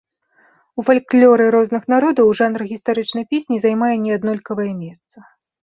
У фальклоры розных народаў жанр гістарычнай песні займае неаднолькавае месца.